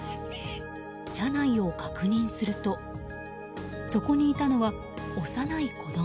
車内を確認するとそこにいたのは幼い子供。